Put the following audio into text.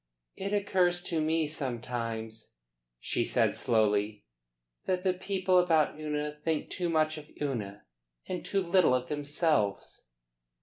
"It occurs to me sometimes," she said slowly, "that the people about Una think too much of Una and too little of themselves."